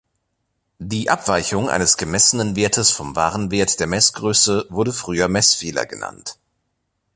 Die Abweichung eines gemessenen Wertes vom wahren Wert der Messgröße wurde früher Messfehler genannt.